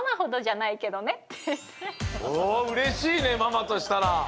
おうれしいねママとしたら！